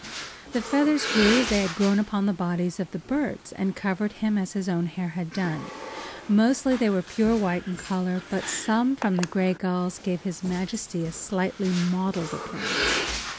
The feathers grew as they had grown upon the bodies of the birds and covered him as his own hair had done. Mostly they were pure white in color, but some from the gray gulls gave his majesty a slight mottled appearance.